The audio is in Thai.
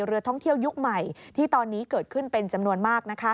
เรือท่องเที่ยวยุคใหม่ที่ตอนนี้เกิดขึ้นเป็นจำนวนมาก